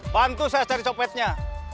bantu saya cari copetnya